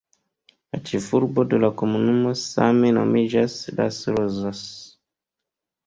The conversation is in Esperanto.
La ĉefurbo de la komunumo same nomiĝas Las Rosas.